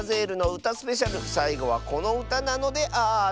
スペシャルさいごはこのうたなのである。